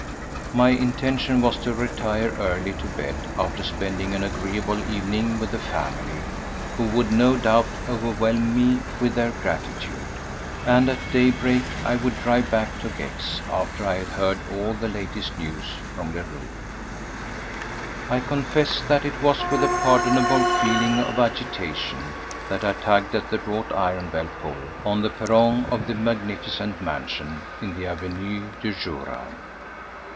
My intention was to retire early to bed after spending an agreeable evening with the family, who would no doubt overwhelm me with their gratitude, and at daybreak I would drive back to Gex after I had heard all the latest news from Leroux. I confess that it was with a pardonable feeling of agitation that I tugged at the wrought iron bell pull on the perron of the magnificent mansion in the Avenue du Jura.